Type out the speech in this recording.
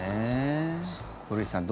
古市さん